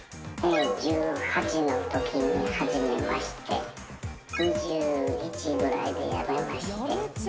１８のときに始めまして、２１ぐらいでやめまして。